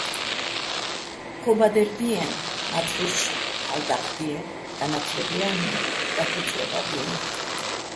ჴო ბადერ დიენი̆, მაწრიშ ჰ̦ალო̆ დაჴდიეჼ, განა́თლებ ჲალ'იჼ, დაქუ́ჲრწლებადიეჼ.